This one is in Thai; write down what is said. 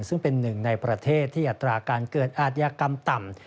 ซึ่งเป็นหนึ่งในประเทศที่อัตราการเกิดอาทยากรรมต่ำ